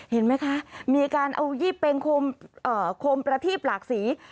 เห็นไหมคะมีการเอายี่เป็งคมประทีบหลากสี